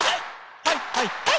はいはいはい！